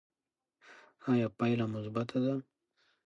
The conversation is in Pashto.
ایا پایله مثبته ده؟